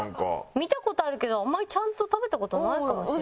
見た事あるけどあんまりちゃんと食べた事ないかもしれない。